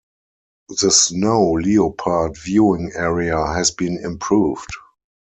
The Snow Leopard viewing area has been improved.